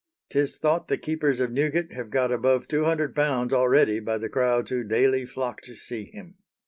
'Tis thought the keepers of Newgate have got above £200 already by the crowds who daily flock to see him."